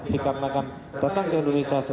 dikarenakan datang ke indonesia secara ilegal